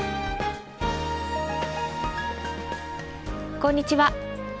こんにちは。